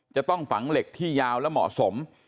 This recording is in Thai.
จะต้องฝังเหล็กที่ยาวและเหมาะสม